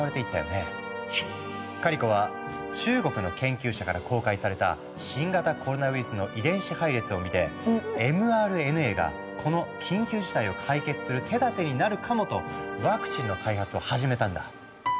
カリコは中国の研究者から公開された新型コロナウイルスの遺伝子配列を見てｍＲＮＡがこの緊急事態を解決する手だてになるかもとワクチンの開発を始めたんだ。